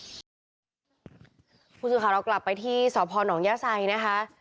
ผู้สืบขาวเรากลับไปที่สอบพรหนองยาวไซนะคะ